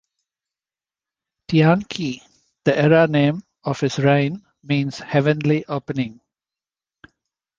"Tianqi", the era name of his reign, means "heavenly opening".